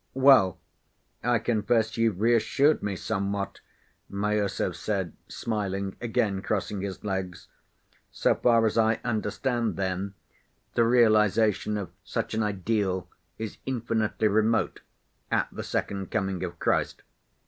"Well, I confess you've reassured me somewhat," Miüsov said smiling, again crossing his legs. "So far as I understand, then, the realization of such an ideal is infinitely remote, at the second coming of Christ.